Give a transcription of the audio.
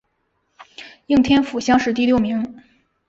应天府乡试第六名。